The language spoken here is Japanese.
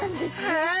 はい。